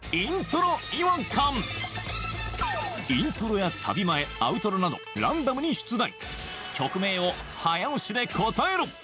イントロやサビ前アウトロなどランダムに出題曲名を早押しで答えろ！